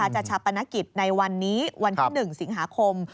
จะชับประณกิจในวันนี้วันทั้ง๑สิงหาคม